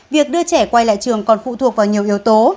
việc đưa trẻ quay lại trường còn phụ thuộc vào nhiều yếu tố